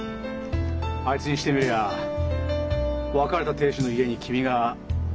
あいつにしてみりゃ別れた亭主の家に君が。